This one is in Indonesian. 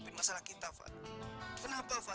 mungkin dia malem balu mya